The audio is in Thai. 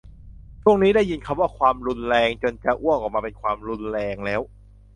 ช่วงนี้ได้ยินคำว่า"ความรุนแรง"จนจะอ้วกออกมาเป็นความรุนแรงแล้ว